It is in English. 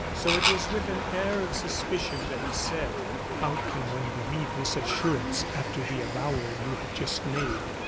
So it was with an air of suspicion that he said: "How can one believe this assurance after the avowal you have just made?"